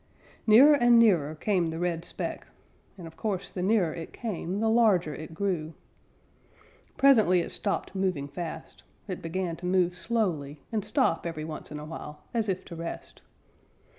Nearer and nearer came the red speck, and of course the nearer it came the larger it grew. Presently it stopped moving fast. It began to move slowly and stop every once in a while, as if to rest.